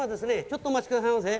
ちょっとお待ちくださいませ。